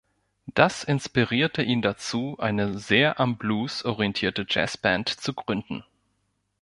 Das inspirierte ihn dazu, eine sehr am Blues orientierte Jazzband zu gründen.